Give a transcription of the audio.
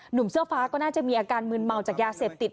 หนุ่มเสื้อฟ้าก็น่าจะมีอาการมืนเมาจากยาเสพติด